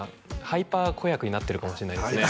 「ハイパー子役」になってるかもしれないですね